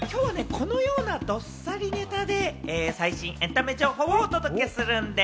このようなどっさりネタで最新エンタメ情報を届けするんでぃす！